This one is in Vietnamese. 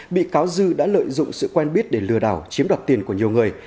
bị cáo dư đã lợi dụng sự quen biết để lừa đảo chiếm đoạt tiền của nhiều người